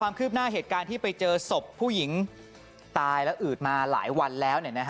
ความคืบหน้าเหตุการณ์ที่ไปเจอศพผู้หญิงตายและอืดมาหลายวันแล้ว